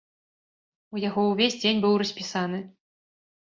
У яго ўвесь дзень быў распісаны.